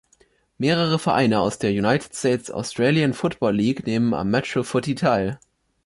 Mehrere Vereine aus der United States Australian Football League nehmen am Metro Footy teil.